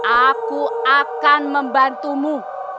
aku akan membantumu